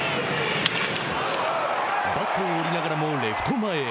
バットを折りながらもレフト前へ。